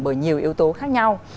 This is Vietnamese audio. bởi nhiều yếu tố khác nhau